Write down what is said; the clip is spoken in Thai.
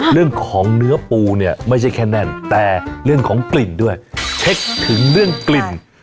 เรื่องของเนื้อปูเนี่ยไม่ใช่แค่แน่นแต่เรื่องของกลิ่นด้วยเช็คถึงเรื่องกลิ่น